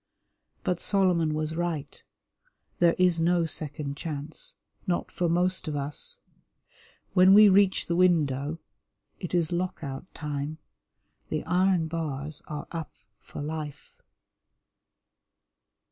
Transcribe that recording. But Solomon was right; there is no second chance, not for most of us. When we reach the window it is Lock out Time. The iron bars are up for life.